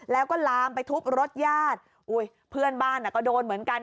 แล้วก็ลามไปทุบรถญาติอุ้ยเพื่อนบ้านอ่ะก็โดนเหมือนกัน